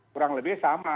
kurang lebih sama